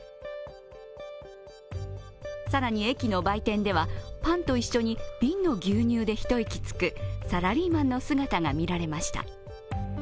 更に駅の売店ではパンと一緒に瓶の牛乳で一息つく、サラリーマンの姿が見られました。